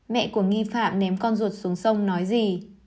mẹ của nghi phạm ném con ruột xuống sông nói gì